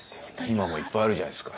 今もいっぱいあるじゃないですか。